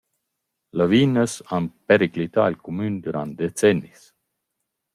Lavinas han periclità il cumün dürant decennis.